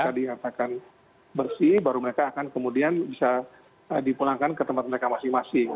nah itu karena mereka diatakan bersih baru mereka akan kemudian bisa dipulangkan ke tempat mereka masing masing